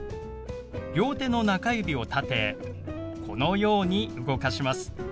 両手の中指を立てこのように動かします。